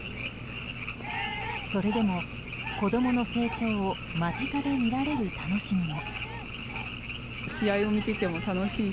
それでも、子供の成長を間近で見られる楽しみも。